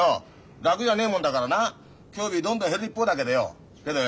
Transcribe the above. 楽じゃねえもんだからなきょうびどんどん減る一方だけどよけどよ